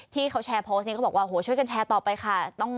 ที่เขาแชร์โพสต์นี้เขาบอกว่าโหช่วยกันแชร์ต่อไปค่ะ